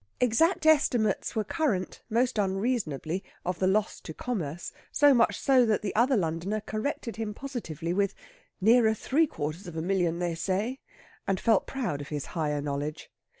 Exact estimates were current, most unreasonably, of the loss to commerce; so much so that the other Londoner corrected him positively with, "Nearer three quarters of a million, they say," and felt proud of his higher knowledge.